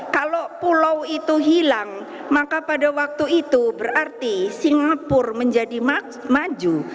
kalau pulau itu hilang maka pada waktu itu berarti singapura menjadi maju